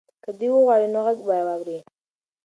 که دی وغواړي نو غږ به واوري.